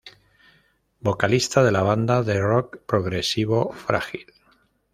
Vocalista de la banda de Rock progresivo Frágil.